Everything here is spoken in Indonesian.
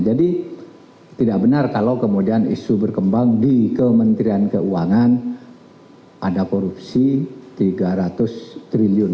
jadi tidak benar kalau kemudian isu berkembang di kementerian keuangan ada korupsi tiga ratus triliun